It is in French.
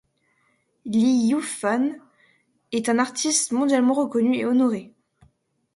Lee U-fan est un artiste mondialement reconnu et honoré.